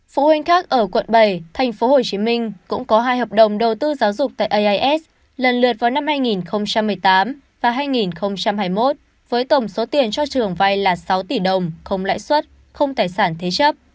phụ huynh khác ở quận bảy thành phố hồ chí minh cũng có hai hợp đồng đầu tư giáo dục tại ais lần lượt vào năm hai nghìn một mươi tám và hai nghìn hai mươi một với tổng số tiền cho trường vay là sáu tỷ đồng không lãi suất không tài sản thế chấp